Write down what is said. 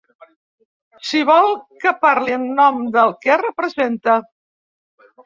Si vol, que parli en nom del que representa.